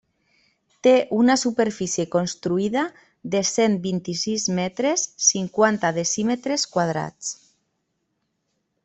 Té una superfície construïda de cent vint-i-sis metres, cinquanta decímetres quadrats.